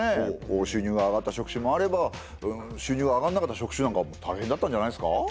こう収入が上がった職種もあれば収入が上がんなかった職種なんか大変だったんじゃないですか。